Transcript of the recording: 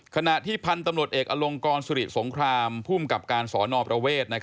ขณะที่พันธุ์ตำรวจเอกอลงกรสุริสงครามภูมิกับการสอนอประเวท